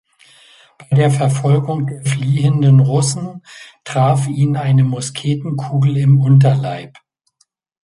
Bei der Verfolgung der fliehenden Russen traf ihn eine Musketenkugel im Unterleib.